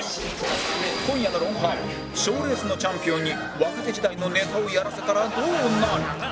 今夜の『ロンハー』は賞レースのチャンピオンに若手時代のネタをやらせたらどうなる？